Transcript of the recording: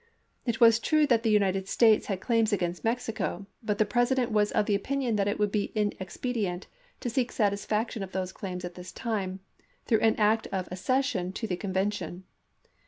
It was true that the United States had claims against Mexico, but the Presi dent was of opinion that it would be inexpedient to seek satisfaction of those claims at this time through an act of accession to the convention.